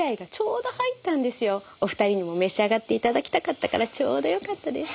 お二人にも召し上がって頂きたかったからちょうどよかったです。